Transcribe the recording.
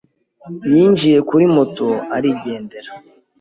yinjiye kuri moto arigendera.